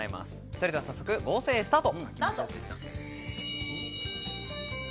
それでは早速、合成スタート。